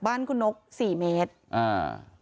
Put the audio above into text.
สวัสดีคุณผู้ชายสวัสดีคุณผู้ชาย